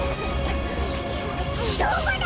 どこだ！？